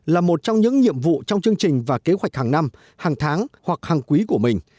là một trong những nhiệm vụ trong chương trình và kế hoạch hàng năm hàng tháng hoặc hàng quý của mình